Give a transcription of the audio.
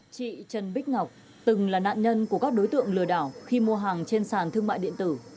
chị trần bích ngọc từng là nạn nhân của các đối tượng lừa đảo khi mua hàng trên sàn thương mại điện tử